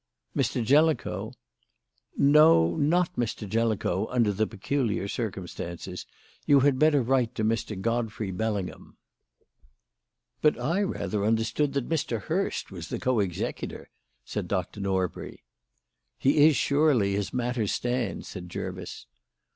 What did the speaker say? "Mr. Jellicoe?" "No, not Mr. Jellicoe, under the peculiar circumstances. You had better write to Mr. Godfrey Bellingham." "But I rather understood that Mr. Hurst was the co executor," said Dr. Norbury. "He is surely, as matters stand," said Jervis.